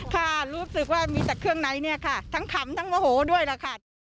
ค่ะรู้สึกว่ามีแต่เครื่องในเนี่ยค่ะทั้งขำทั้งโมโหด้วยล่ะค่ะ